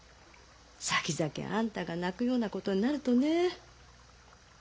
さきざきあんたが泣くようなことになるとねえ。